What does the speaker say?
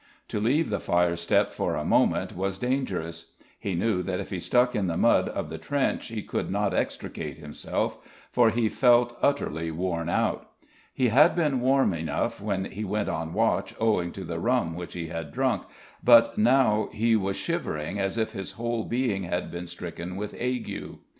To leave the firestep for a moment was dangerous. He knew that if he stuck in the mud of the trench he could not extricate himself, for he felt utterly worn out. He had been warm enough when he went on watch owing to the rum which he had drunk, but now he was shivering as if his whole being had been stricken with ague.